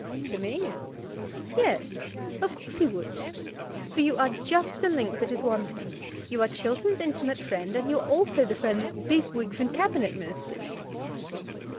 "To me?" "Yes; of course he would, for you are just the link that is wanting. You are Chiltern's intimate friend, and you are also the friend of big wigs and Cabinet Ministers."